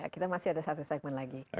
kita masih ada satu segmen lagi